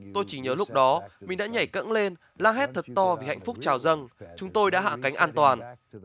tôi chỉ nhớ lúc đó mình đã nhảy cẫn lên lang hét thật to vì hạnh phúc chào dâng chúng tôi đã hạ cánh an toàn